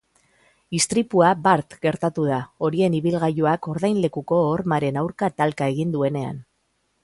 Istripua bart gertatu da, horien ibilgailuak ordainlekuko hormaren aurka talka egin duenean.